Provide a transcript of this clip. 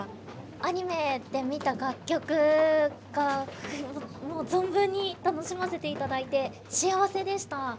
アニメで見た楽曲がもう存分に楽しませて頂いて幸せでした。